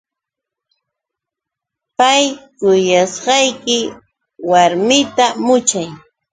Pay kuyashqayki warmita muchay.